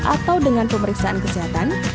atau dengan pemeriksaan kesehatan